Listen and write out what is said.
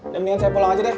mendingan saya pulang aja deh